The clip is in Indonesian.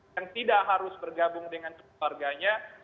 yang tidak harus bergabung dengan keluarganya